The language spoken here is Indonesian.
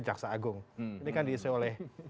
jaksa agung ini kan diisi oleh